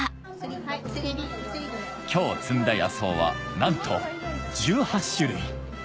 今日摘んだ野草はなんと１８種類